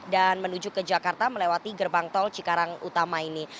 dan menuju ke jakarta melewati gerbang tol cikarang utama ini